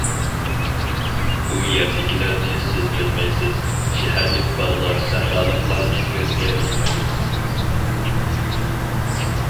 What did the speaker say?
بۇ يەردىكىلەرنى سىز بىلمەيسىز، شەھەرلىك بالىلار سەھرالىقلارنى كۆزگە ئىلمايدۇ.